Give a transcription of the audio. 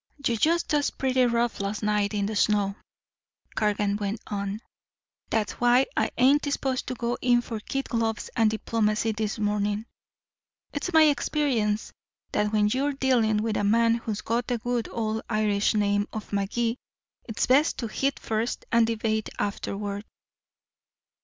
"You used us pretty rough last night in the snow," Cargan went on. "That's why I ain't disposed to go in for kid gloves and diplomacy this morning. It's my experience that when you're dealing with a man who's got the good old Irish name of Magee, it's best to hit first and debate afterward."